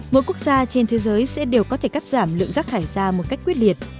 mỗi quốc gia trên thế giới sẽ đều có thể cắt giảm lượng rác thải ra một cách quyết liệt